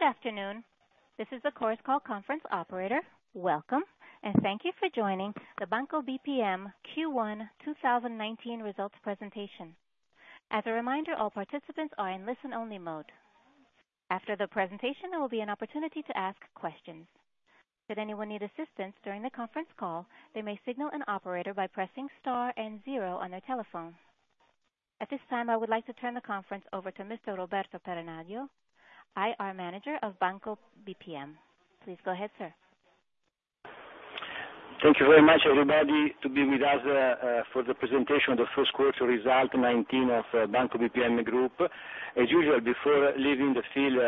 Good afternoon. This is the Chorus Call conference operator. Welcome, and thank you for joining the Banco BPM Q1 2019 results presentation. As a reminder, all participants are in listen-only mode. After the presentation, there will be an opportunity to ask questions. Should anyone need assistance during the conference call, they may signal an operator by pressing star and zero on their telephone. At this time, I would like to turn the conference over to Mr. Roberto Peronaglio, IR Manager of Banco BPM. Please go ahead, sir. Thank you very much, everybody, to be with us for the presentation of the first quarter result 2019 of Banco BPM group. As usual, before leaving the field,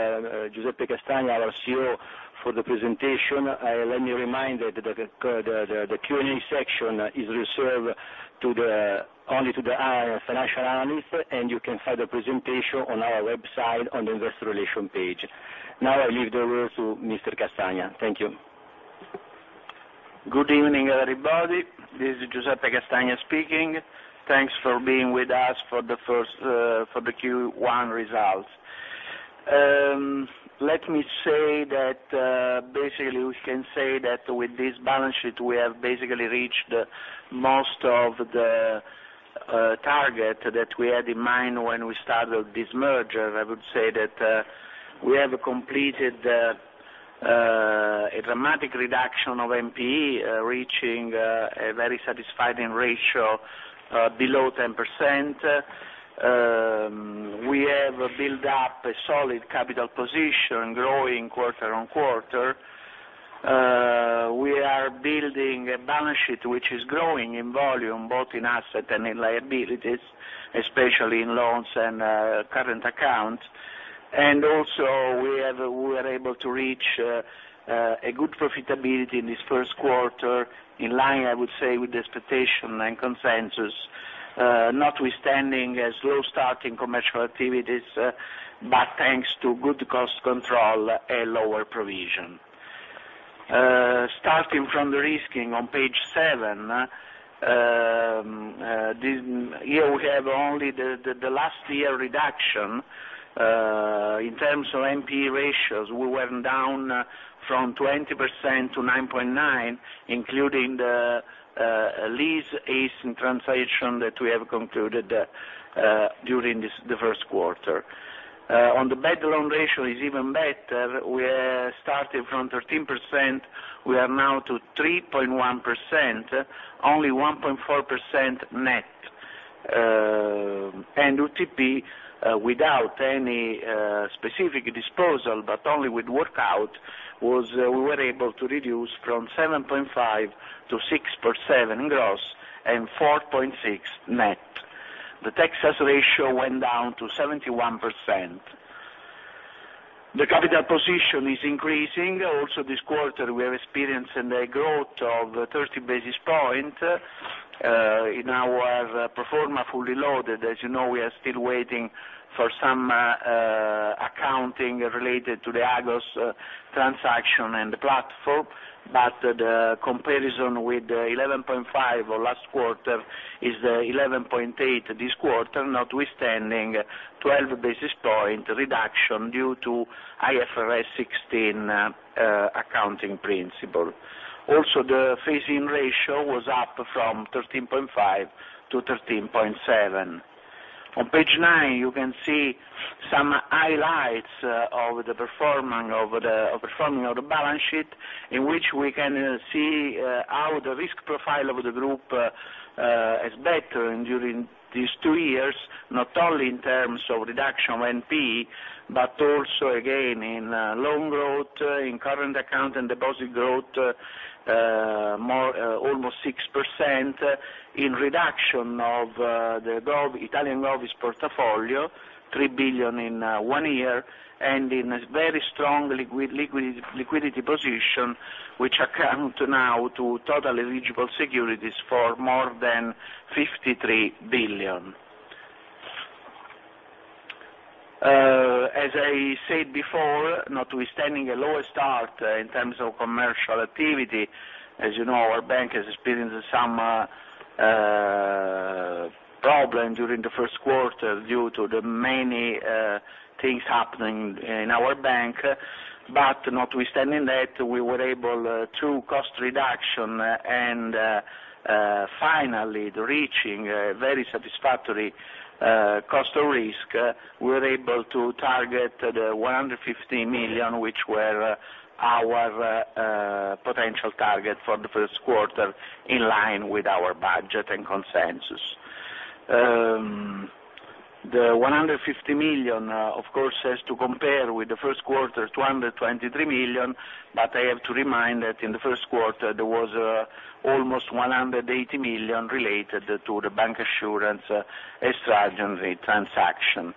Giuseppe Castagna, our CEO, for the presentation, let me remind that the Q&A section is reserved only to our financial analysts, and you can find the presentation on our website on the investor relation page. Now I leave the room to Mr. Castagna. Thank you. Good evening, everybody. This is Giuseppe Castagna speaking. Thanks for being with us for the Q1 results. Let me say that basically we can say that with this balance sheet, we have basically reached most of the target that we had in mind when we started this merger. I would say that we have completed a dramatic reduction of NPE, reaching a very satisfying ratio below 10%. We have built up a solid capital position, growing quarter-on-quarter. We are building a balance sheet which is growing in volume, both in asset and in liabilities, especially in loans and current accounts. We were able to reach a good profitability in this first quarter, in line, I would say, with the expectation and consensus, notwithstanding a slow start in commercial activities, but thanks to good cost control and lower provision. Starting from the risking on page seven, here we have only the last year reduction. In terms of NPE ratios, we went down from 20% to 9.9%, including the L-ACE transition that we have concluded during the first quarter. On the bad loan ratio is even better. We started from 13%, we are now to 3.1%, only 1.4% net. UTP, without any specific disposal but only with workout, we were able to reduce from 7.5% to 6.7% gross and 4.6% net. The tax ratio went down to 71%. The capital position is increasing. This quarter, we are experiencing a growth of 30 basis points in our pro forma fully loaded. As you know, we are still waiting for some accounting related to the Agos transaction and the platform. The comparison with the 11.5 of last quarter is 11.8 this quarter, notwithstanding 12 basis point reduction due to IFRS 16 accounting principle. Also, the phasing ratio was up from 13.5 to 13.7. On page nine, you can see some highlights of the performance of the balance sheet, in which we can see how the risk profile of the group has bettered during these two years, not only in terms of reduction of NPE, but also, again, in loan growth, in current account and deposit growth, almost 6% in reduction of the Italian loans portfolio, 3 billion in one year, and in a very strong liquidity position, which account now to total eligible securities for more than 53 billion. As I said before, notwithstanding a lower start in terms of commercial activity, as you know, our bank has experienced some problem during the first quarter due to the many things happening in our bank. Notwithstanding that, we were able, through cost reduction and finally reaching a very satisfactory cost of risk, we were able to target the 150 million, which were our potential target for the first quarter, in line with our budget and consensus. The 150 million, of course, has to compare with the first quarter 223 million, but I have to remind that in the first quarter, there was almost 180 million related to the bank assurance transaction.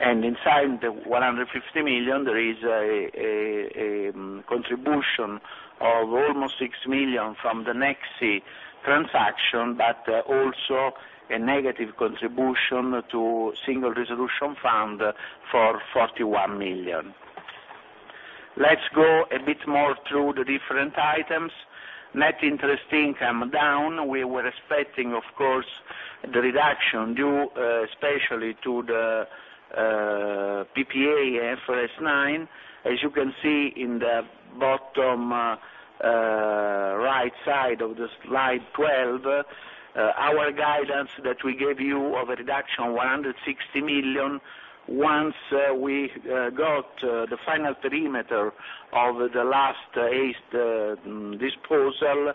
Inside the 150 million, there is a contribution of almost 6 million from the Nexi transaction, but also a negative contribution to Single Resolution Fund for 41 million. Let's go a bit more through the different items. Net interest income down. We were expecting, of course, the reduction due especially to the PPA IFRS 9. As you can see in the bottom right side of the slide 12, our guidance that we gave you of a reduction 160 million, once we got the final perimeter of the last ACE disposal,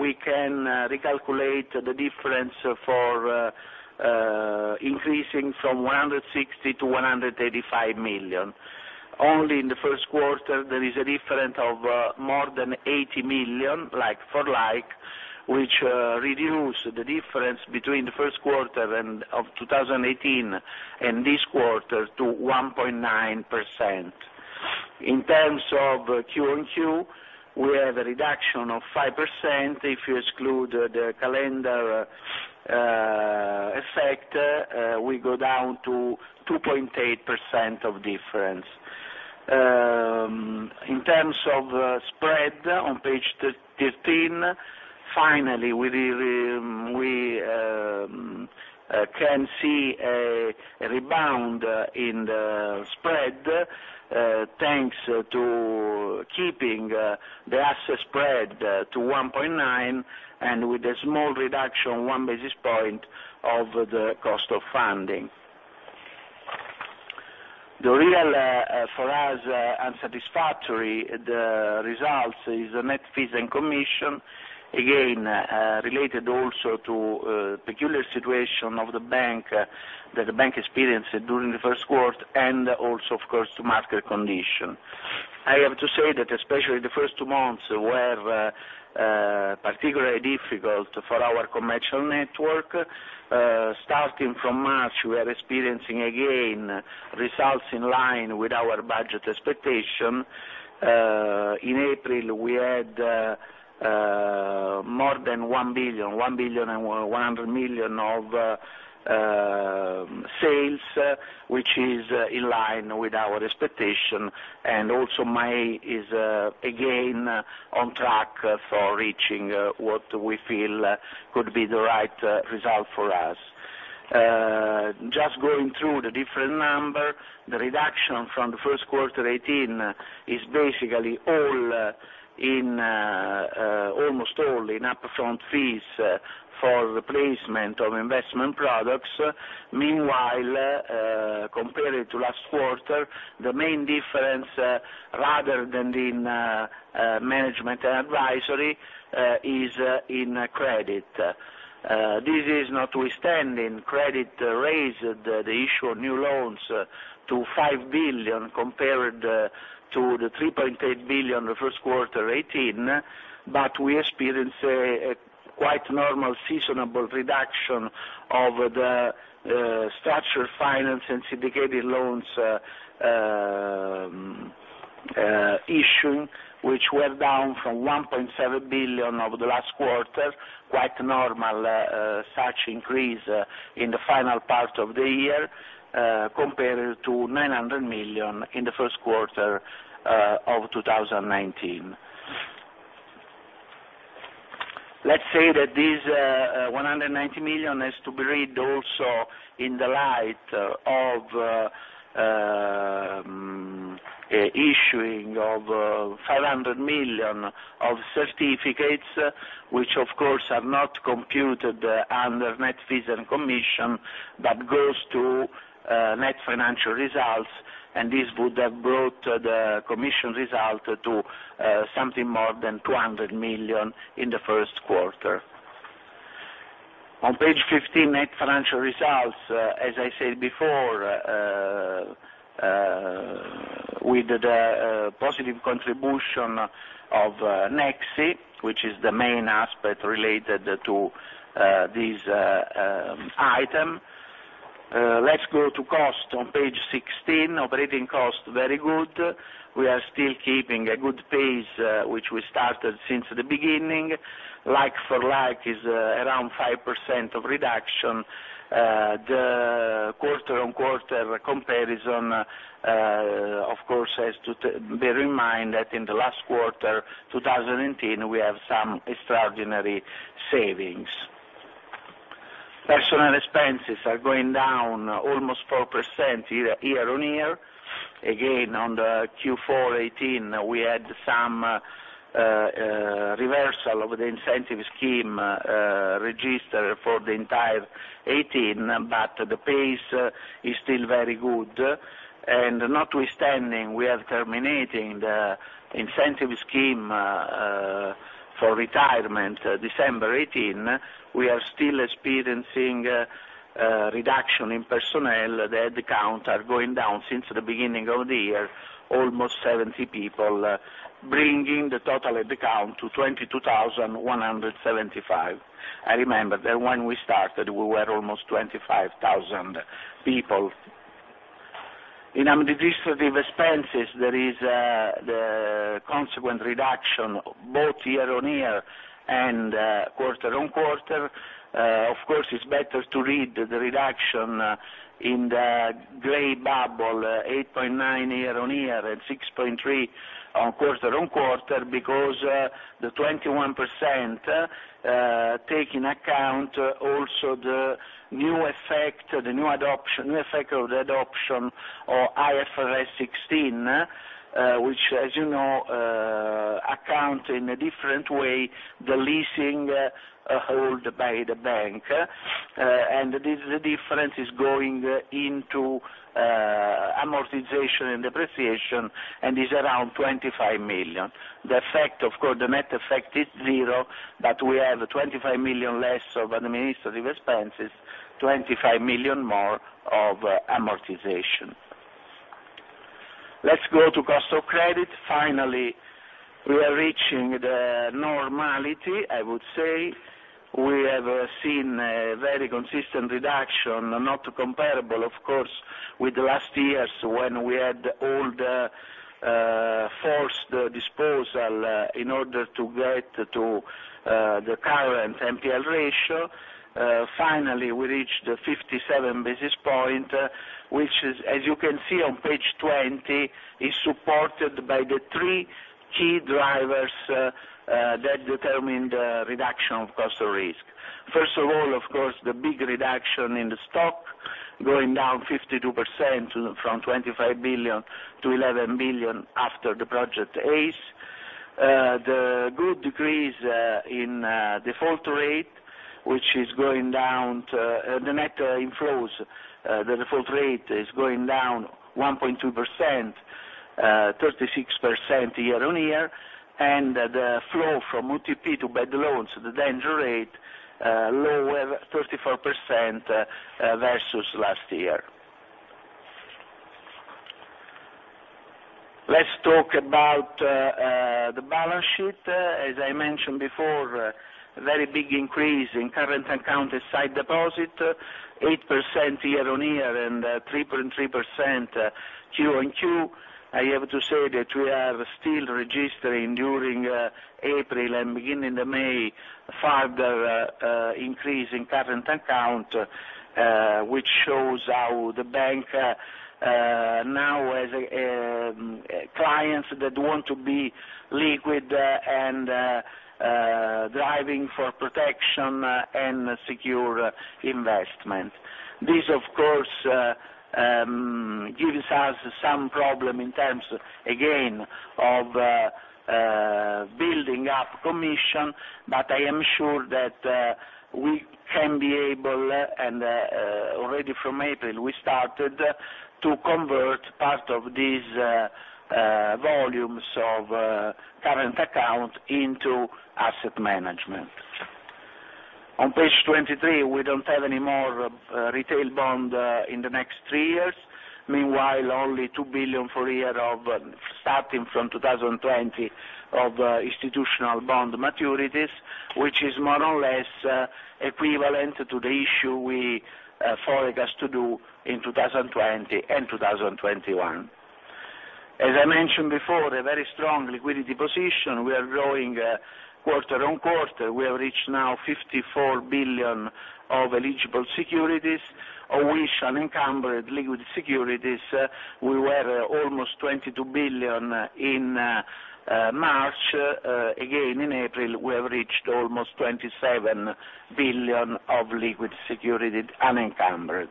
we can recalculate the difference for increasing from 160 million to 185 million. Only in the first quarter, there is a difference of more than 80 million like-for-like, which reduce the difference between the first quarter of 2018 and this quarter to 1.9%. In terms of Q on Q, we have a reduction of 5%. If you exclude the calendar effect, we go down to 2.8% of difference. In terms of spread, on page 13, finally we can see a rebound in the spread, thanks to keeping the asset spread to 1.9%, and with a small reduction, one basis point of the cost of funding. The real, for us, unsatisfactory results is the net fees and commission, again, related also to peculiar situation of the bank that the bank experienced during the first quarter, and also, of course, to market condition. I have to say that especially the first two months were particularly difficult for our commercial network. Starting from March, we are experiencing again results in line with our budget expectation. In April, we had more than 1.1 billion of sales, which is in line with our expectation, and also May is again on track for reaching what we feel could be the right result for us. Going through the different number, the reduction from the first quarter 2018 is basically almost all in upfront fees for replacement of investment products. Compared to last quarter, the main difference, rather than in management and advisory, is in credit. This is notwithstanding credit raised the issue of new loans to 5 billion compared to 3.8 billion the first quarter 2018, we experienced a quite normal seasonable reduction of the structured finance and syndicated loans issuing, which were down from 1.7 billion over the last quarter. Quite normal such increase in the final part of the year compared to 900 million in the first quarter of 2019. Let's say that this 190 million has to be read also in the light of issuing of 500 million of certificates, which of course, are not computed under net fees and commission, but goes to net financial results, and this would have brought the commission result to something more than 200 million in the first quarter. On page 15, net financial results, as I said before, with the positive contribution of Nexi, which is the main aspect related to this item. Let's go to cost on page 16. Operating cost. Very good. We are still keeping a good pace, which we started since the beginning. Like for like is around 5% reduction. The quarter-on-quarter comparison, of course, has to bear in mind that in the last quarter 2018, we have some extraordinary savings. Personnel expenses are going down almost 4% year-on-year. Again, on the Q4 2018, we had some reversal of the incentive scheme registered for the entire 2018, the pace is still very good. Notwithstanding, we are terminating the incentive scheme for retirement December 2018, we are still experiencing a reduction in personnel. The headcount are going down since the beginning of the year, almost 70 people, bringing the total headcount to 22,175. I remember that when we started, we were almost 25,000 people. In administrative expenses, there is a consequent reduction both year-on-year and quarter-on-quarter. Of course, it's better to read the reduction in the gray bubble, 8.9% year-on-year and 6.3% quarter-on-quarter, because the 21% take into account also the new effect of the adoption of IFRS 16, which as you know, accounts in a different way, the leasing held by the bank. This difference is going into amortization and depreciation and is around 25 million. The net effect is zero, we have 25 million less of administrative expenses, 25 million more of amortization. Let's go to cost of credit. Finally, we are reaching the normality, I would say. We have seen a very consistent reduction, not comparable, of course, with last years when we had all the forced disposal in order to get to the current NPL ratio. Finally, we reached 57 basis points, which is, as you can see on page 20, is supported by the three key drivers that determine the reduction of cost of risk. First of all, of course, the big reduction in the stock, going down 52% from 25 billion to 11 billion after the Project ACE. The good decrease in default rate, the net inflows, the default rate is going down 1.2%, 36% year-on-year, and the flow from UTP to bad loans, the danger rate, lower 34% versus last year. Let's talk about the balance sheet. As I mentioned before, very big increase in current account and sight deposit, 8% year-on-year and 3.3% quarter-on-quarter. I have to say that we are still registering during April and beginning of May, further increase in current account, which shows how the bank now has clients that want to be liquid and driving for protection and secure investment. This, of course, gives us some problem in terms, again, of building up commission, but I am sure that we can be able, and already from April, we started to convert part of these volumes of current account into asset management. On page 23, we don't have any more retail bond in the next three years. Meanwhile, only 2 billion for year, starting from 2020, of institutional bond maturities, which is more or less equivalent to the issue we forecast to do in 2020 and 2021. As I mentioned before, a very strong liquidity position. We are growing quarter-on-quarter. We have reached now 54 billion of eligible securities, of which unencumbered liquid securities, we were almost 22 billion in March. Again, in April, we have reached almost 27 billion of liquid security unencumbered.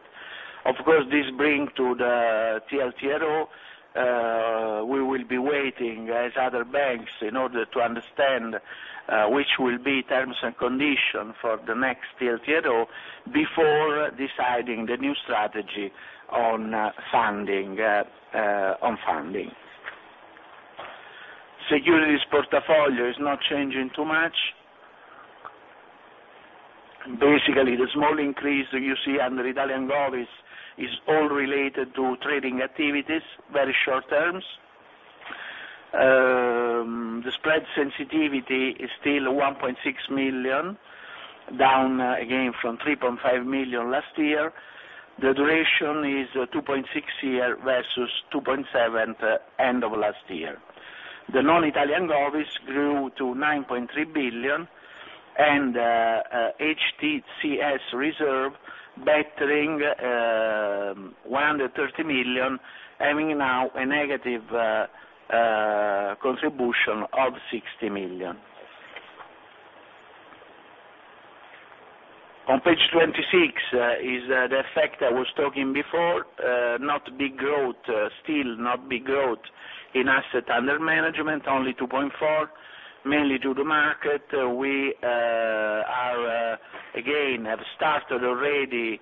Of course, this bring to the TLTRO. We will be waiting, as other banks, in order to understand which will be terms and condition for the next TLTRO before deciding the new strategy on funding. Securities portfolio is not changing too much. Basically, the small increase that you see under Italian Gov is all related to trading activities, very short terms. The spread sensitivity is still 1.6 million, down again from 3.5 million last year. The duration is 2.6 year versus 2.7 end of last year. The non-Italian Govies grew to 9.3 billion, and HTCS reserve bettering 130 million, having now a negative contribution of 60 million. On page 26 is the effect I was talking before, still not big growth in asset under management, only 2.4, mainly due to market. We again have started already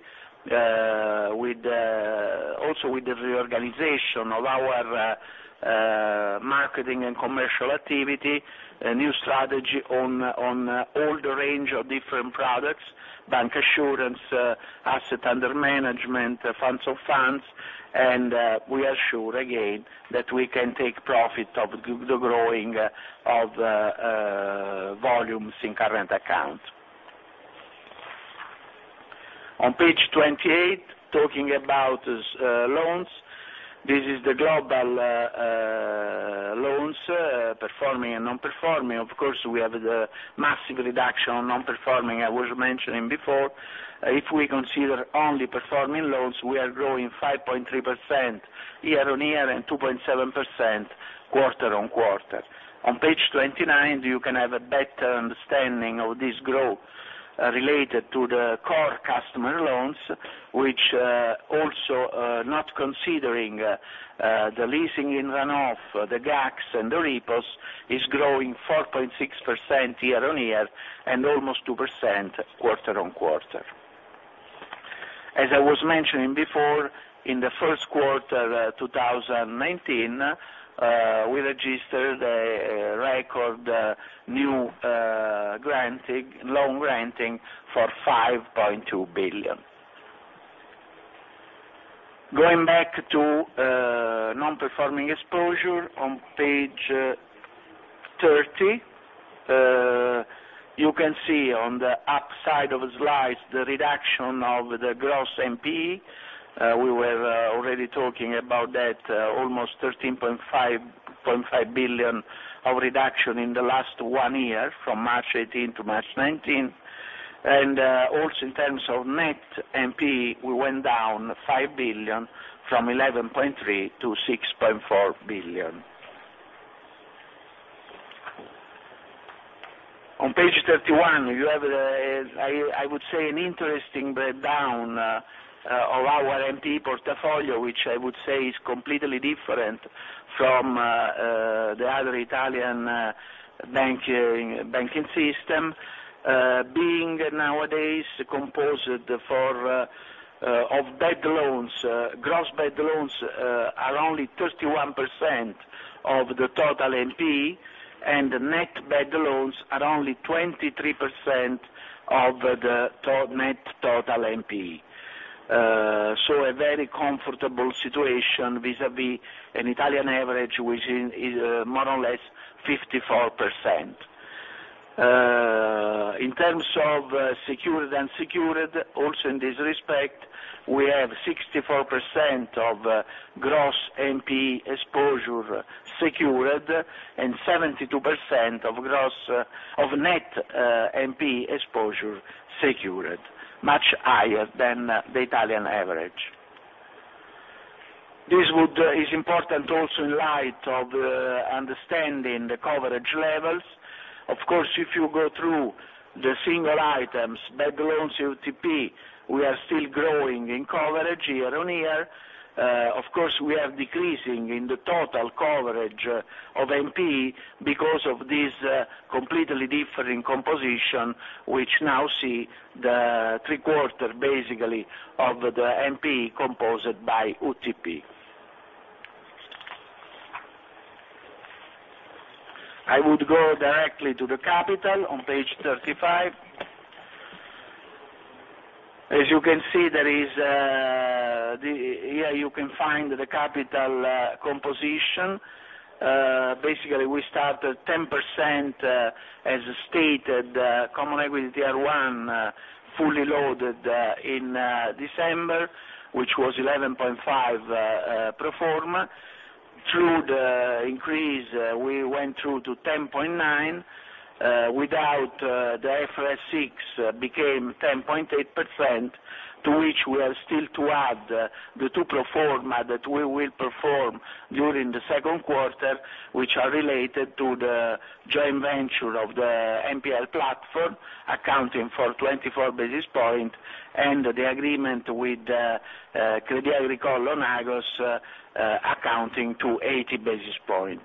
also with the reorganization of our marketing and commercial activity, a new strategy on all the range of different products, bank assurance, asset under management, funds of funds, and we are sure again that we can take profit of the growing of volumes in current account. On page 28, talking about loans. This is the global loans, performing and non-performing. Of course, we have the massive reduction on non-performing I was mentioning before. If we consider only performing loans, we are growing 5.3% year-on-year and 2.7% quarter-on-quarter. On page 29, you can have a better understanding of this growth related to the core customer loans, which also not considering the leasing in runoff, the GACS, and the repos, is growing 4.6% year-on-year and almost 2% quarter-on-quarter. As I was mentioning before, in the first quarter 2019, we registered a record new loan granting for 5.2 billion. Going back to non-performing exposure on page 30. You can see on the upside of the slide, the reduction of the gross NPE. We were already talking about that, almost 13.5 billion of reduction in the last one year, from March 2018 to March 2019. In terms of net NPE, we went down 5 billion from 11.3 billion to 6.4 billion. On page 31, you have an interesting breakdown of our NPE portfolio, which is completely different from the other Italian banking system, being nowadays composed of bad loans. Gross bad loans are only 31% of the total NPE. Net bad loans are only 23% of the net total NPE. A very comfortable situation vis-à-vis an Italian average, which is more or less 54%. In terms of secured, unsecured, also in this respect, we have 64% of gross NPE exposure secured and 72% of net NPE exposure secured, much higher than the Italian average. This is important also in light of understanding the coverage levels. If you go through the single items, bad loans UTP, we are still growing in coverage year-over-year. We are decreasing in the total coverage of NPE because of this completely different composition, which now see the three-quarter basically of the NPE composed by UTP. I would go directly to the capital on page 35. Here you can find the capital composition. We start at 10%, as stated, Common Equity Tier 1 fully loaded in December, which was 11.5% pro forma. Through the increase, we went through to 10.9%, without the IFRS 16 became 10.8%, to which we are still to add the two pro forma that we will perform during the second quarter, which are related to the joint venture of the NPL platform, accounting for 24 basis points, and the agreement with Crédit Agricole on Agos accounting to 80 basis points.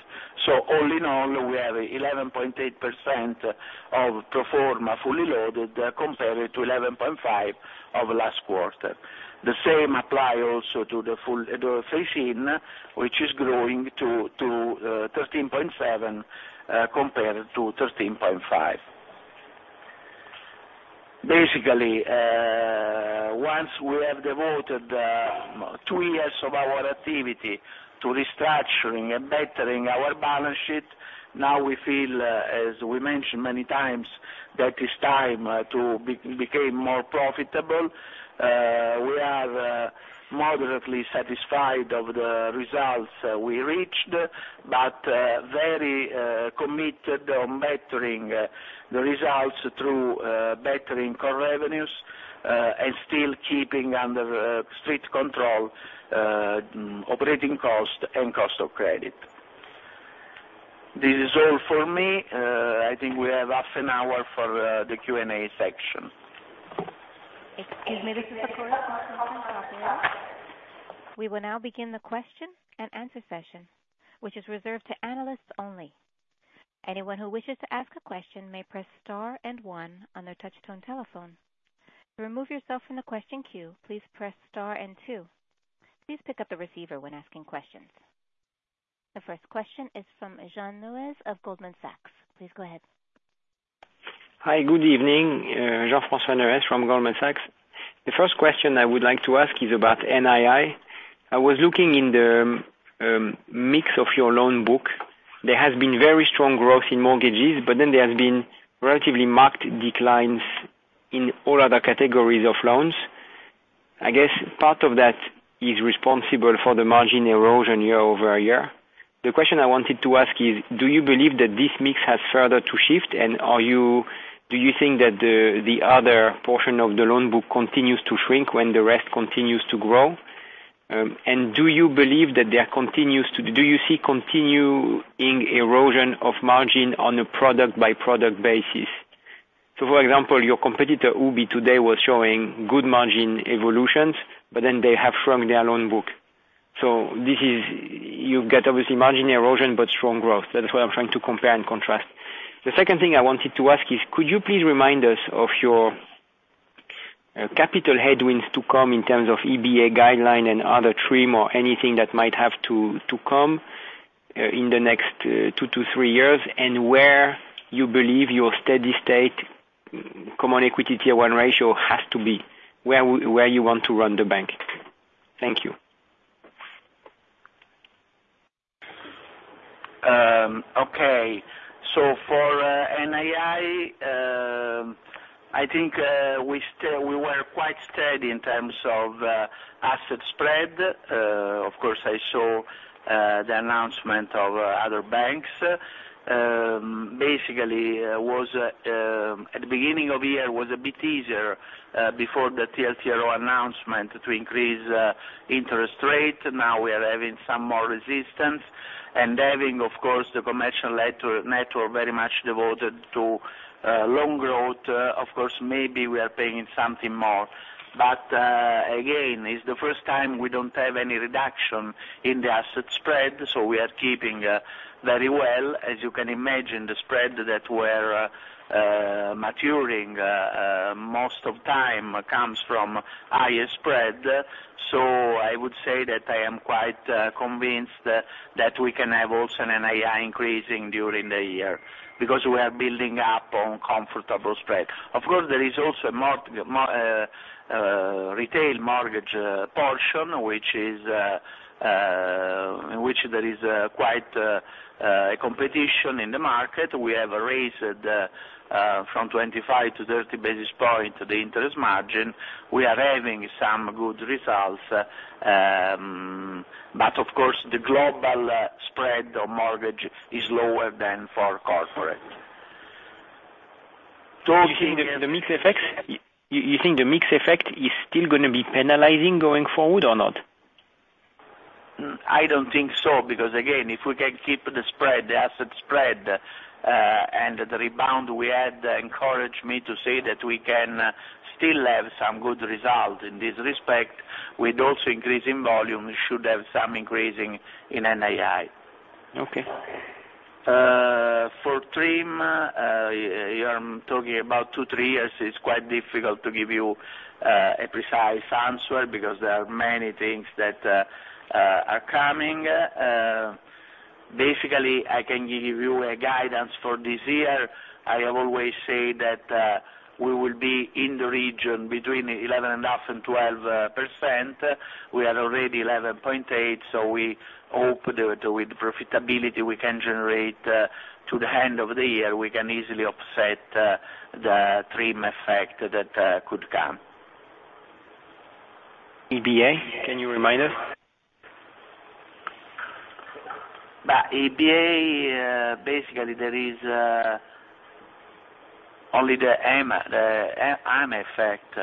All in all, we have 11.8% of pro forma fully loaded compared to 11.5% of last quarter. The same apply also to the phase-in, which is growing to 13.7% compared to 13.5%. Once we have devoted two years of our activity to restructuring and bettering our balance sheet, now we feel, as we mentioned many times, that it's time to become more profitable. We are moderately satisfied of the results we reached, but very committed on bettering the results through bettering core revenues and still keeping under strict control operating cost and cost of credit. This is all for me. I think we have half an hour for the Q&A section. Excuse me, Mr. Castagna. We will now begin the question and answer session, which is reserved to analysts only. Anyone who wishes to ask a question may press star one on their touch-tone telephone. To remove yourself from the question queue, please press star two. Please pick up the receiver when asking questions. The first question is from Jean-Francois Lopez of Goldman Sachs. Please go ahead. Hi, good evening. Jean-Francois Lopez from Goldman Sachs. The first question I would like to ask is about NII. I was looking in the mix of your loan book. There has been very strong growth in mortgages, but then there has been relatively marked declines in all other categories of loans. I guess part of that is responsible for the margin erosion year-over-year. The question I wanted to ask is, do you believe that this mix has further to shift, and do you think that the other portion of the loan book continues to shrink when the rest continues to grow? Do you see continuing erosion of margin on a product-by-product basis? For example, your competitor, Ubi today, was showing good margin evolutions, but then they have shrunk their loan book. You've got obviously margin erosion, but strong growth. That is what I'm trying to compare and contrast. The second thing I wanted to ask is, could you please remind us of your capital headwinds to come in terms of EBA guideline and other TRIM or anything that might have to come in the next two to three years, and where you believe your steady state Common Equity Tier 1 ratio has to be. Where you want to run the bank. Thank you. Okay. For NII, I think we were quite steady in terms of asset spread. Of course, I saw the announcement of other banks. Basically, at the beginning of year was a bit easier before the TLTRO announcement to increase interest rate. Now we are having some more resistance. Having, of course, the commercial network very much devoted to loan growth, of course, maybe we are paying something more. Again, it's the first time we don't have any reduction in the asset spread, so we are keeping very well. As you can imagine, the spread that were maturing most of time comes from higher spread. I would say that I am quite convinced that we can have also NII increasing during the year because we are building up on comfortable spread. Of course, there is also retail mortgage portion, in which there is quite a competition in the market. We have raised from 25 to 30 basis points the interest margin. We are having some good results. Of course, the global spread of mortgage is lower than for corporate. You think the mix effect is still going to be penalizing going forward or not? I don't think so, because again, if we can keep the spread, the asset spread, and the rebound we had encourage me to say that we can still have some good result in this respect. With also increase in volume, we should have some increasing in NII. Okay. For TRIM, you are talking about two, three years. It's quite difficult to give you a precise answer because there are many things that are coming. Basically, I can give you a guidance for this year. I have always said that we will be in the region between 11.5% and 12%. We are already 11.8%, we hope that with profitability we can generate to the end of the year, we can easily offset the TRIM effect that could come. EBA, can you remind us? EBA, basically there is only the AMA effect.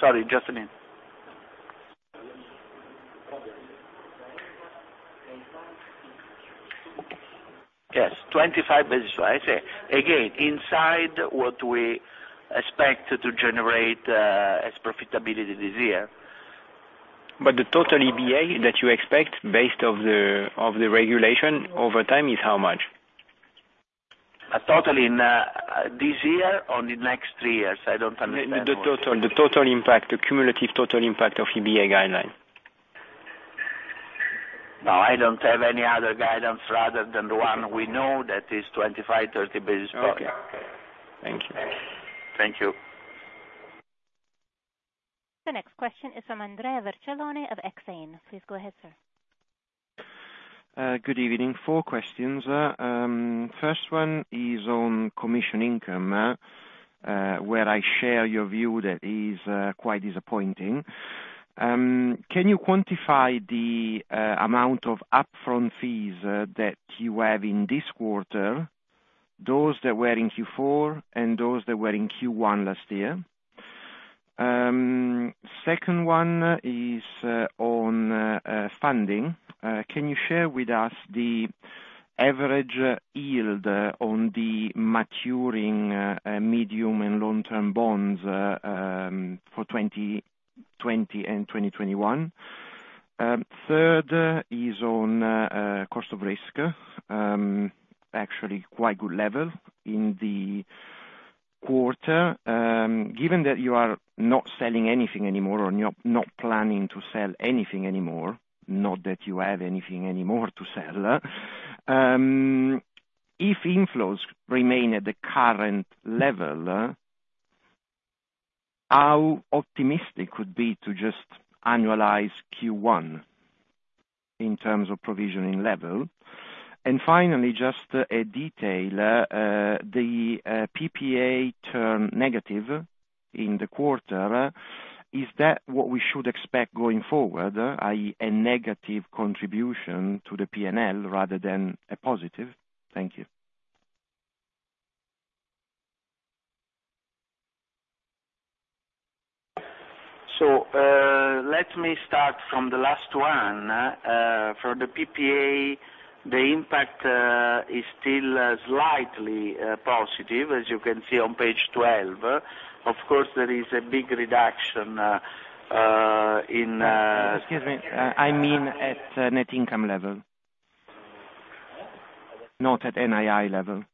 Sorry, just a minute. Yes, 25 basis. Again, inside what we expect to generate as profitability this year. The total EBA that you expect based off the regulation over time is how much? Total in this year or the next three years? I don't understand. The total impact, the cumulative total impact of EBA guideline. No, I don't have any other guidance rather than the one we know that is 25, 30 basis points. Okay. Thank you. Thank you. The next question is from Andrea Vercellone of Exane. Please go ahead, sir. Good evening. Four questions. First one is on commission income, where I share your view that it is quite disappointing. Can you quantify the amount of upfront fees that you have in this quarter, those that were in Q4 and those that were in Q1 last year? Second one is on funding. Can you share with us the average yield on the maturing medium and long-term bonds for 2020 and 2021? Third is on cost of risk. Actually, quite good level in the quarter. Given that you are not selling anything anymore or you're not planning to sell anything anymore, not that you have anything anymore to sell, if inflows remain at the current level, how optimistic would be to just annualize Q1 in terms of provisioning level? Finally, just a detail, the PPA turned negative in the quarter. Is that what we should expect going forward, i.e., a negative contribution to the P&L rather than a positive? Thank you. Let me start from the last one. For the PPA, the impact is still slightly positive, as you can see on page 12. Of course, there is a big reduction in- Excuse me. I mean at net income level. Huh? Not at NII level.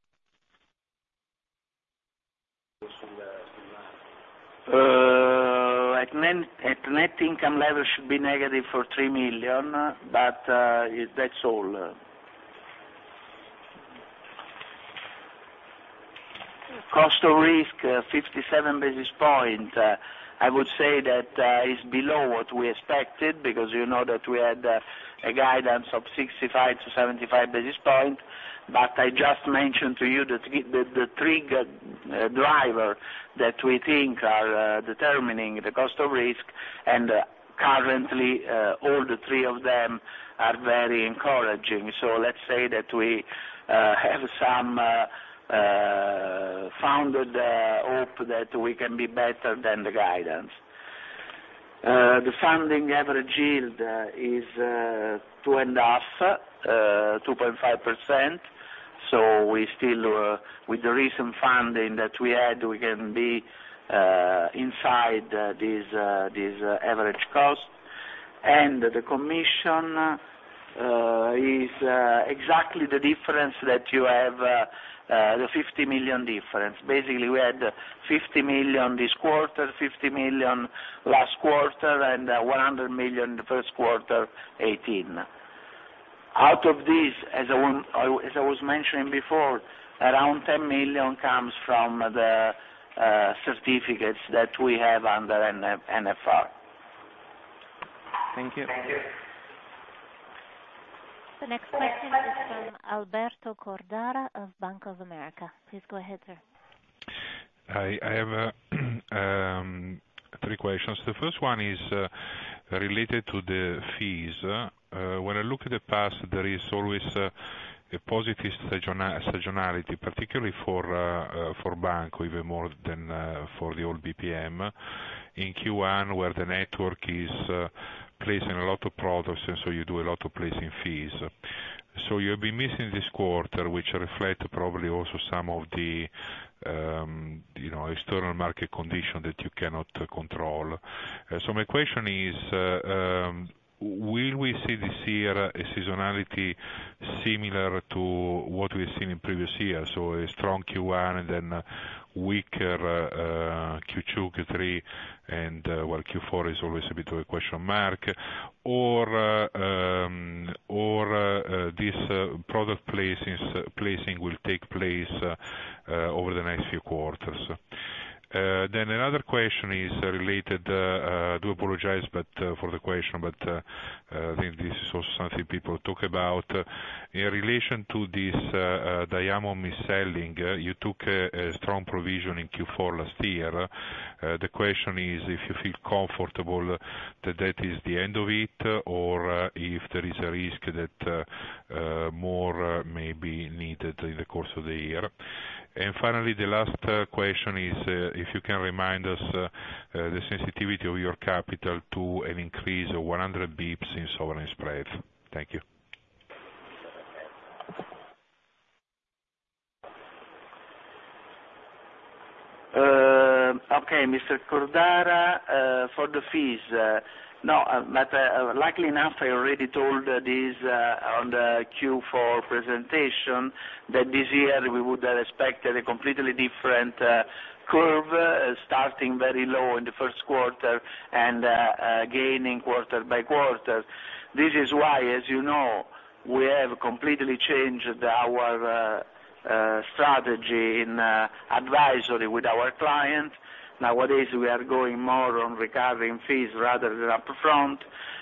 At net income level should be negative for 3 million. That's all. Cost of risk 57 basis points. I would say that is below what we expected because you know that we had a guidance of 65-75 basis points. I just mentioned to you the three drivers that we think are determining the cost of risk. Currently all the three of them are very encouraging. Let's say that we have some founded hope that we can be better than the guidance. The funding average yield is two and a half, 2.5%. With the recent funding that we had, we can be inside this average cost. The commission is exactly the difference that you have, the 50 million difference. Basically, we had 50 million this quarter, 50 million last quarter, 100 million the first quarter 2018. Out of this, as I was mentioning before, around 10 million comes from the certificates that we have under NFR. Thank you. Thank you. The next question is from Alberto Cordara of Bank of America. Please go ahead, sir. I have three questions. The first one is related to the fees. When I look at the past, there is always a positive seasonality, particularly for Banco, even more than for the old BPM, in Q1 where the network is placing a lot of products, and you do a lot of placing fees. You'll be missing this quarter, which reflect probably also some of the external market condition that you cannot control. My question is, will we see this year a seasonality similar to what we've seen in previous years, a strong Q1 and then weaker Q2, Q3 and, well, Q4 is always a bit of a question mark. This product placing will take place over the next few quarters? Another question is related, I do apologize for the question, but I think this is also something people talk about. In relation to this diamond mis-selling, you took a strong provision in Q4 last year. The question is if you feel comfortable that that is the end of it, or if there is a risk that more may be needed in the course of the year. Finally, the last question is, if you can remind us the sensitivity of your capital to an increase of 100 basis points in sovereign spreads. Thank you. Okay, Mr. Cordara, for the fees. Luckily enough, I already told this on the Q4 presentation that this year we would expect a completely different curve, starting very low in the first quarter and gaining quarter by quarter. As you know, we have completely changed our strategy in advisory with our clients. Nowadays, we are going more on recurring fees rather than upfront.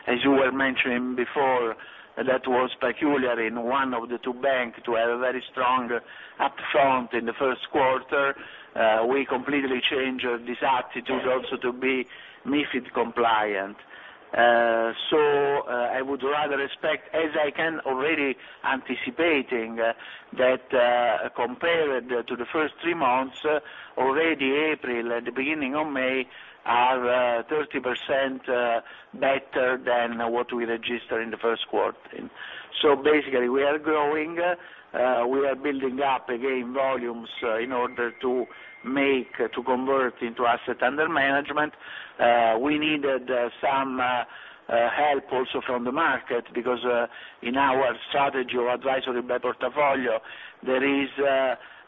As you were mentioning before, that was peculiar in one of the two banks to have a very strong upfront in the first quarter. We completely changed this attitude also to be MiFID compliant. I would rather expect, as I can already anticipate, that compared to the first three months, already April and the beginning of May are 30% better than what we registered in the first quarter. Basically, we are growing. We are building up, again, volumes in order to convert into asset under management. We needed some help also from the market because in our strategy of advisory by portfolio,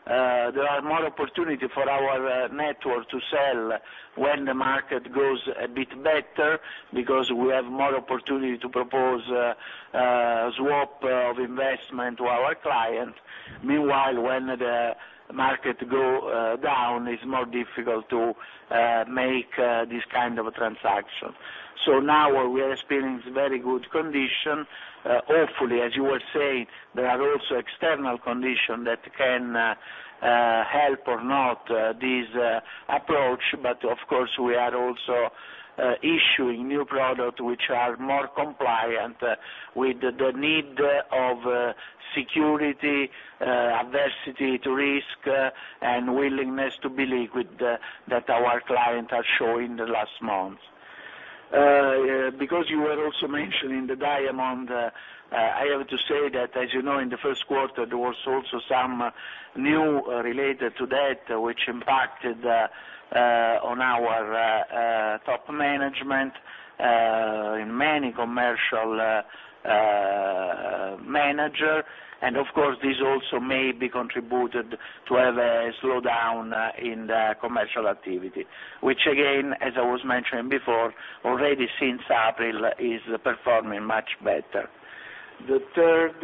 there are more opportunities for our network to sell when the market goes a bit better because we have more opportunities to propose swap of investment to our clients. Meanwhile, when the market goes down, it's more difficult to make this kind of transaction. Now we are experiencing very good conditions. Hopefully, as you were saying, there are also external conditions that can help or not this approach. Of course, we are also issuing new products which are more compliant with the need of security, aversion to risk, and willingness to be liquid that our clients are showing the last months. You were also mentioning the diamond, I have to say that, as you know, in the first quarter, there was also some news related to that, which impacted on our top management, in many commercial managers. Of course, this also may have contributed to have a slowdown in the commercial activity, which again, as I was mentioning before, already since April is performing much better. The third,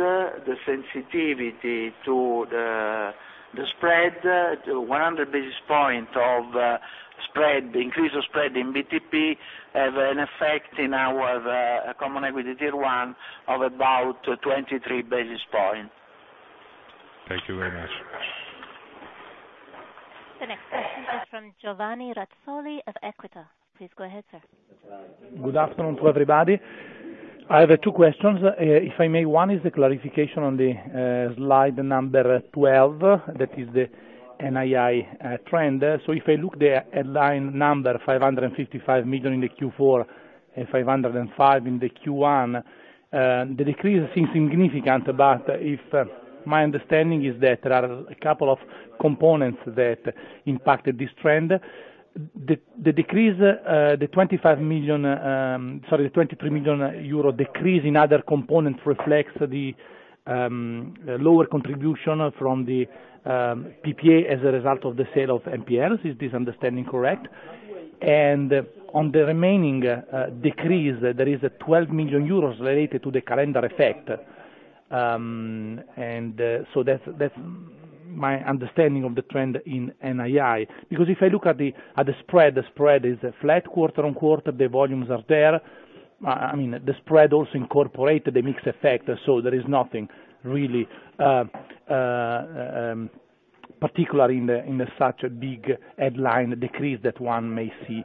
the sensitivity to the spread, 100 basis points of increase of spread in BTP has an effect in our Common Equity Tier 1 of about 23 basis points. Thank you very much. The next question is from Giovanni Razzoli of Equita. Please go ahead, sir. Good afternoon to everybody. I have two questions. If I may, one is a clarification on the slide number 12, that is the NII trend. If I look the headline number, 555 million in the Q4 and 505 million in the Q1, the decrease seems significant, if my understanding is that there are a couple of components that impacted this trend. The 23 million euro decrease in other components reflects the lower contribution from the PPA as a result of the sale of NPL. Is this understanding correct? On the remaining decrease, there is a 12 million euros related to the calendar effect. That's my understanding of the trend in NII. If I look at the spread, the spread is flat quarter-on-quarter. The volumes are there. The spread also incorporated a mixed effect, there is nothing really particular in such a big headline decrease that one may see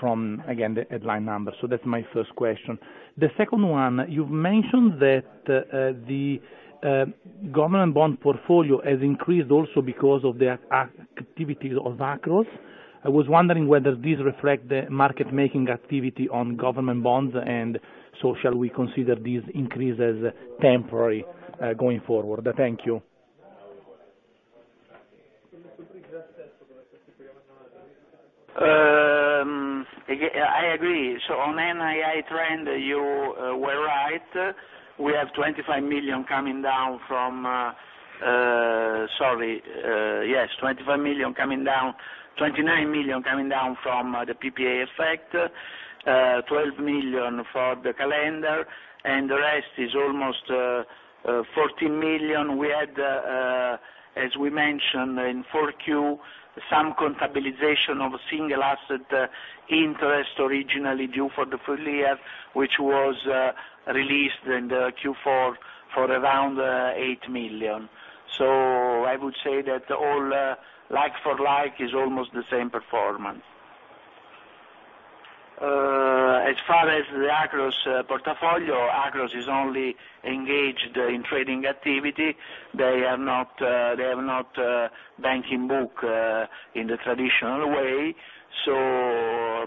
from, again, the headline number. That's my first question. The second one, you've mentioned that the government bond portfolio has increased also because of the activities of Akros. I was wondering whether this reflect the market making activity on government bonds, shall we consider these increases temporary going forward? Thank you. I agree. On NII trend, you were right. We have 29 million coming down from the PPA effect, 12 million for the calendar, and the rest is almost 14 million. We had, as we mentioned in 4Q, some contabilisation of single asset interest originally due for the full year, which was released in the Q4 for around eight million. I would say that all like for like is almost the same performance. As far as the Akros portfolio, Akros is only engaged in trading activity. They have not banking book in the traditional way.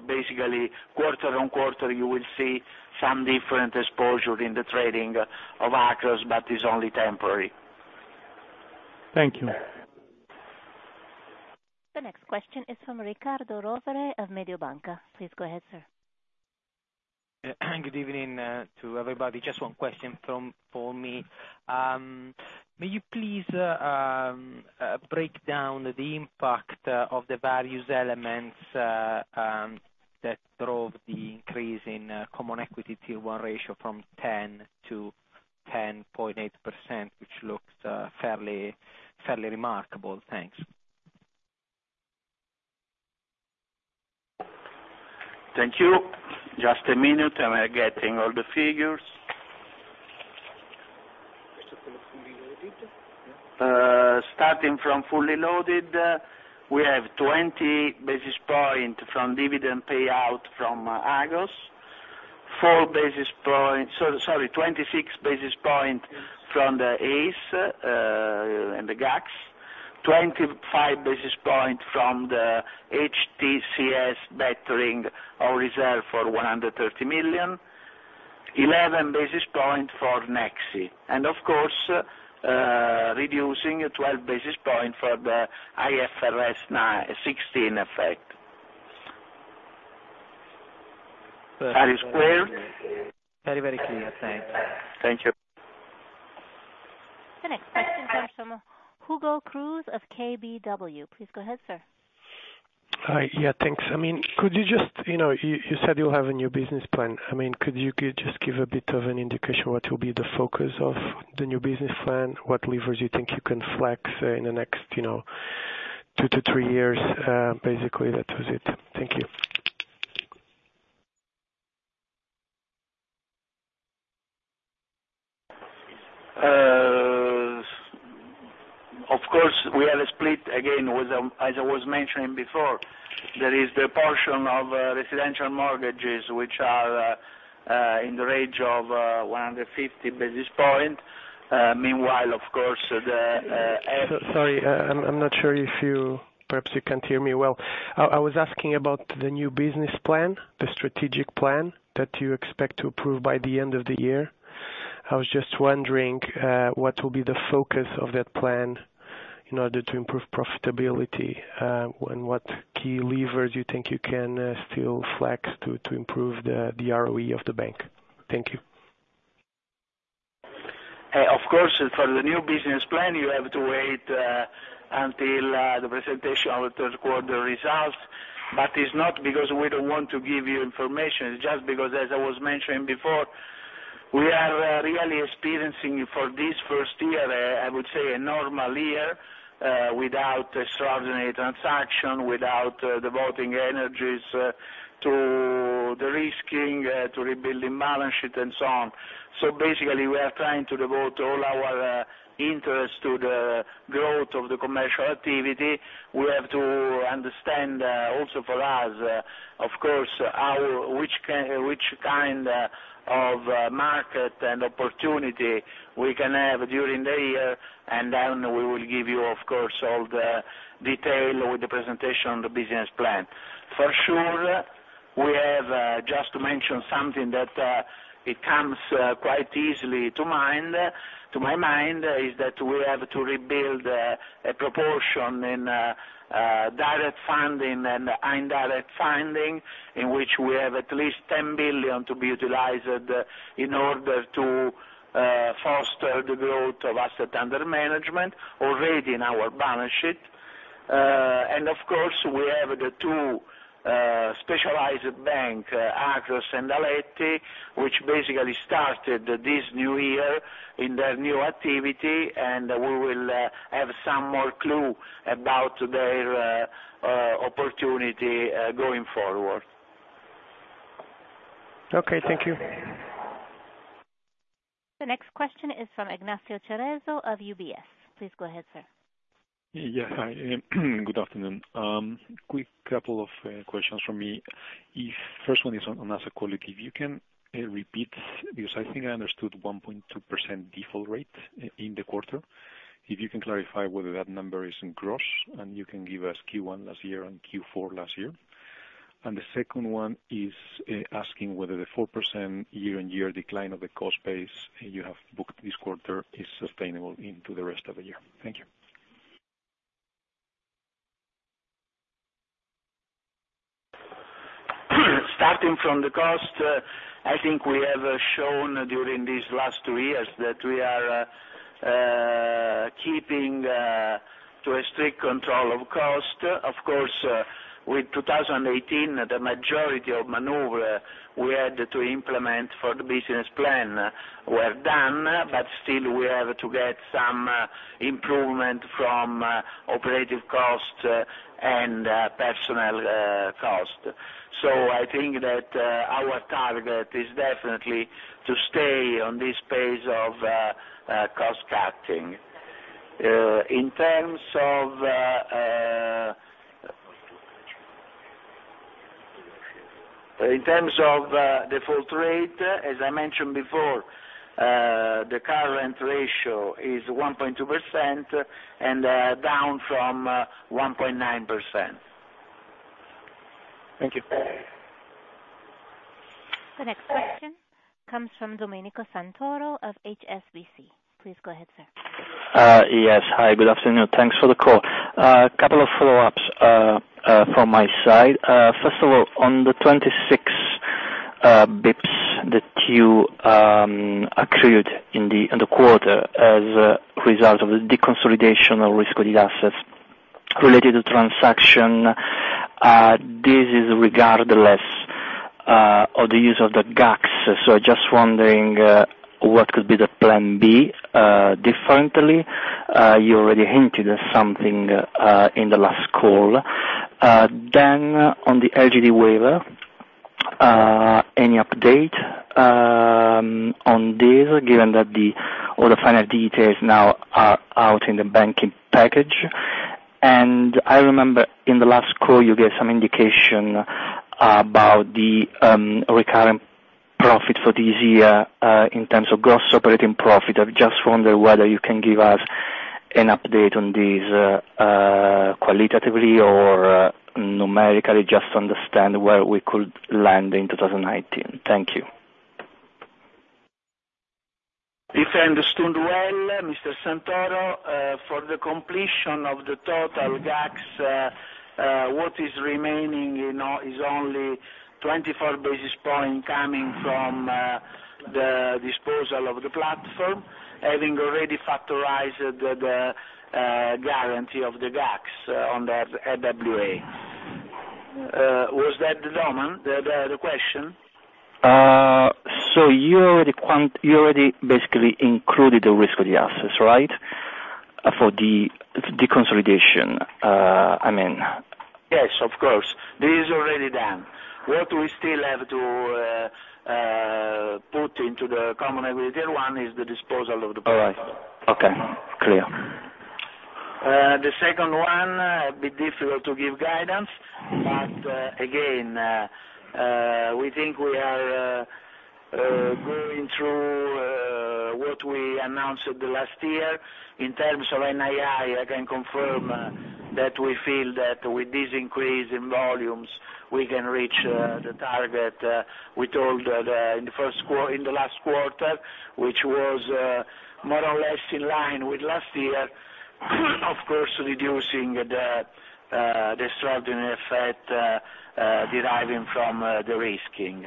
Basically, quarter-on-quarter, you will see some different exposure in the trading of Akros, it's only temporary. Thank you. The next question is from Riccardo Rovere of Mediobanca. Please go ahead, sir. Good evening to everybody. Just one question for me. May you please break down the impact of the various elements that drove the increase in Common Equity Tier 1 ratio from 10 to 10.8%, which looks fairly remarkable. Thanks. Thank you. Just a minute. I'm getting all the figures. Starting from fully loaded, we have 20 basis point from dividend payout from Agos, 26 basis point from the ACE and the GACS, 25 basis point from the HTCS bettering our reserve for 130 million, 11 basis point for Nexi, and of course, reducing 12 basis point for the IFRS 16 effect. Are you clear? Very, very clear. Thanks. Thank you. The next question comes from Hugo Cruz of KBW. Please go ahead, sir. Hi. Yeah, thanks. You said you'll have a new business plan. Could you just give a bit of an indication what will be the focus of the new business plan, what levers you think you can flex in the next two to three years? Basically, that was it. Thank you. Of course, we have a split. Again, as I was mentioning before, there is the portion of residential mortgages which are in the range of 150 basis points. Meanwhile, of course. Sorry, I'm not sure. Perhaps you can't hear me well. I was asking about the new business plan, the strategic plan that you expect to approve by the end of the year. I was just wondering what will be the focus of that plan in order to improve profitability, and what key levers you think you can still flex to improve the ROE of the bank. Thank you. Of course, for the new business plan, you have to wait until the presentation of the third quarter results. It's not because we don't want to give you information. It's just because, as I was mentioning before, we are really experiencing for this first year, I would say, a normal year, without extraordinary transaction, without devoting energies to the risking, to rebuilding balance sheet, and so on. Basically, we are trying to devote all our interest to the growth of the commercial activity. We have to understand also for us, of course, which kind of market and opportunity we can have during the year. Then we will give you, of course, all the detail with the presentation on the business plan. For sure, we have just mentioned something that it comes quite easily to my mind, is that we have to rebuild a proportion in direct funding and indirect funding, in which we have at least 10 billion to be utilized in order to foster the growth of asset under management already in our balance sheet. Of course, we have the two specialized bank, Agos and Aletti, which basically started this new year in their new activity. We will have some more clue about their opportunity going forward. Okay, thank you. The next question is from Ignacio Cerezo of UBS. Please go ahead, sir. Yeah. Good afternoon. Quick couple of questions from me. First one is on asset quality. I think I understood 1.2% default rate in the quarter. If you can clarify whether that number is in gross, and you can give us Q1 last year and Q4 last year. The second one is asking whether the 4% year-on-year decline of the cost base you have booked this quarter is sustainable into the rest of the year. Thank you. Starting from the cost, I think we have shown during these last two years that we are keeping to a strict control of cost. Of course, with 2018, the majority of maneuver we had to implement for the business plan were done, but still, we have to get some improvement from operative cost and personal cost. I think that our target is definitely to stay on this pace of cost cutting. In terms of default rate, as I mentioned before, the current ratio is 1.2% and down from 1.9%. Thank you. The next question comes from Domenico Santoro of HSBC. Please go ahead, sir. Yes. Hi, good afternoon. Thanks for the call. A couple of follow-ups from my side. First of all, on the 26 basis points that you accrued in the quarter as a result of the deconsolidation of risk-weighted assets related to transaction. This is regardless of the use of the GACS, so just wondering what could be the plan B differently. You already hinted at something in the last call. Then on the LGD waiver, any update on this, given that all the final details now are out in the banking package? I remember in the last call you gave some indication about the recurrent profit for this year in terms of gross operating profit. I just wonder whether you can give us an update on this qualitatively or numerically, just to understand where we could land in 2019. Thank you. If I understood well, Mr. Santoro, for the completion of the total GACS, what is remaining now is only 24 basis points coming from the disposal of the platform, having already factorized the guarantee of the GACS on the FWA. Was that the question? You already basically included the risk of the assets, right? For the consolidation. Yes, of course. This is already done. What we still have to put into the Common Equity one is the disposal of the platform. All right. Okay, clear. The second one, a bit difficult to give guidance, but again, we think we are going through what we announced the last year. In terms of NII, I can confirm that we feel that with this increase in volumes, we can reach the target we told in the last quarter, which was more or less in line with last year, of course, reducing the extraordinary effect deriving from the risking.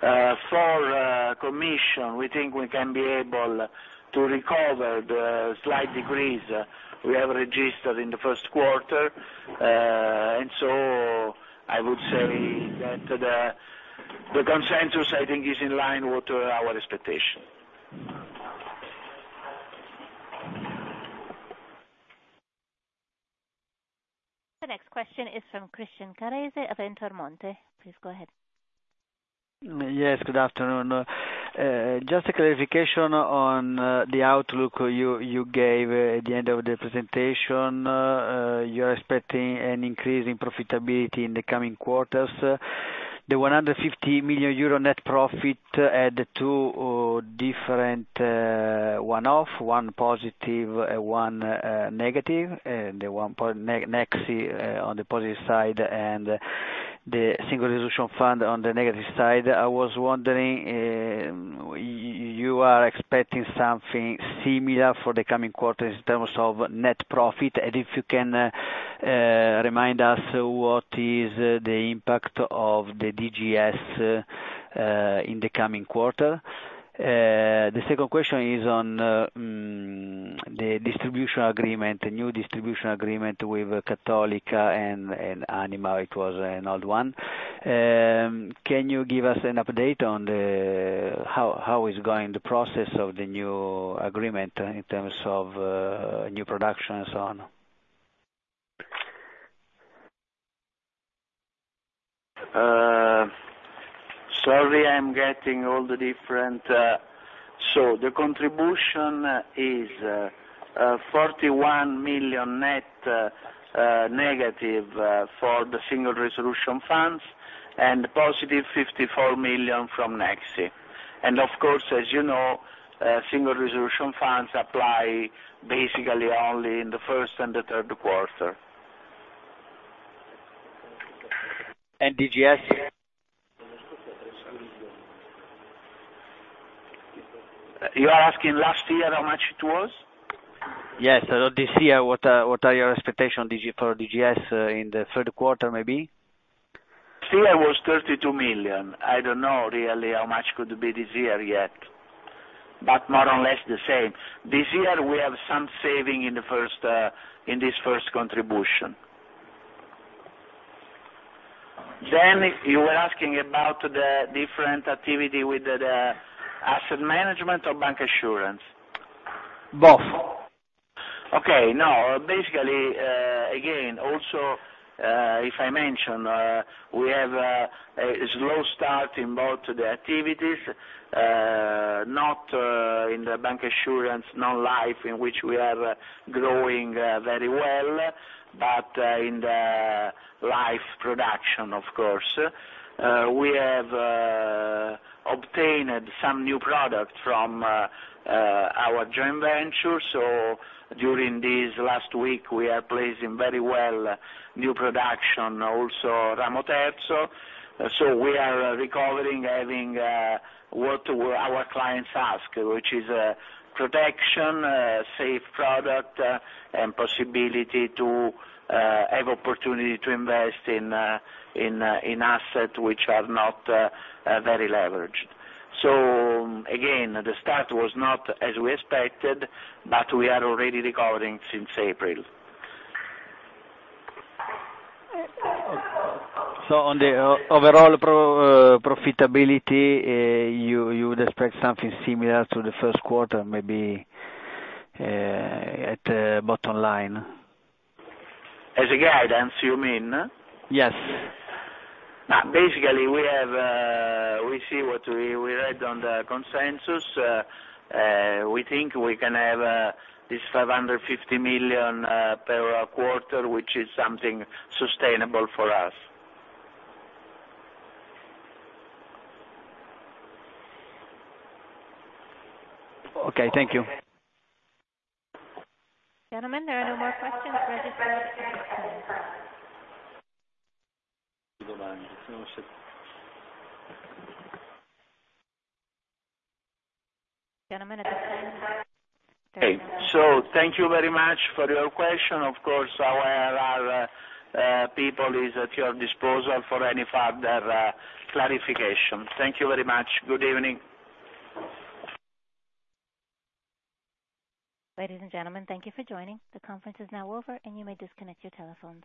For commission, we think we can be able to recover the slight decrease we have registered in the first quarter. I would say that the consensus I think is in line with our expectation. The next question is from Christian Carrese of Intermonte. Please go ahead. Yes, good afternoon. Just a clarification on the outlook you gave at the end of the presentation. You are expecting an increase in profitability in the coming quarters. The 150 million euro net profit had two different one-off, one positive, one negative, the one Nexi on the positive side and the Single Resolution Fund on the negative side. I was wondering, you are expecting something similar for the coming quarters in terms of net profit? If you can remind us what is the impact of the DGS in the coming quarter. The second question is on the distribution agreement, the new distribution agreement with Cattolica and Anima. It was an old one. Can you give us an update on how is going the process of the new agreement in terms of new production and so on? The contribution is 41 million net negative for the Single Resolution Funds, Positive 54 million from Nexi. Of course, as you know, Single Resolution Funds apply basically only in the first and the third quarter. DGS? You are asking last year how much it was? Yes. This year, what are your expectation for DGS in the third quarter, maybe? Last year was 32 million. I don't know really how much could be this year yet, but more or less the same. This year we have some saving in this first contribution. You were asking about the different activity with the asset management or bank assurance? Both. Okay. Now, basically, again, also if I mention, we have a slow start in both the activities, not in the bank assurance, non-life in which we are growing very well, but in the life production, of course. We have obtained some new product from our joint venture. During this last week, we are placing very well new production, also. We are recovering, having what our clients ask, which is protection, safe product, and possibility to have opportunity to invest in asset which are not very leveraged. Again, the start was not as we expected, but we are already recovering since April. On the overall profitability, you would expect something similar to the first quarter, maybe at the bottom line? As a guidance, you mean? Yes. Basically, we see what we read on the consensus. We think we can have this 550 million per quarter, which is something sustainable for us. Okay. Thank you. Gentlemen, there are no more questions registered at this time. Okay. Thank you very much for your question. Of course, our people is at your disposal for any further clarification. Thank you very much. Good evening. Ladies and gentlemen, thank you for joining. The conference is now over, and you may disconnect your telephones.